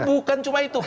bukan cuma itu